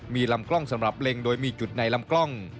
มีลำกล้องสำหรับเล็งโดยมีจุดในลำกล้อง